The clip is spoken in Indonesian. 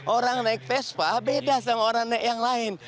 orang naik vespa beda sama orang naik yang lain